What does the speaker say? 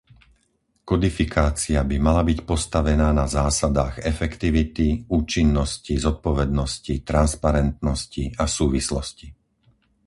Kodifikácia by mala byť postavená na zásadách efektivity, účinnosti, zodpovednosti, transparentnosti a súvislosti.